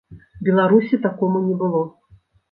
Беларусі такому не было.